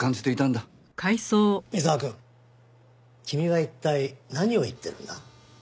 三沢くん君は一体何を言ってるんだ？